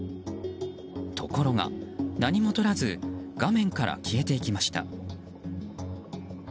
ところが、何もとらず画面から消えていきました。